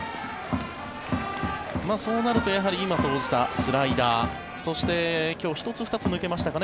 そうなると今、投じたスライダーそして今日１つ、２つ抜けましたかね